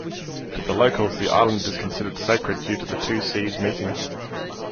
To the locals the island is considered sacred due to the two seas meeting.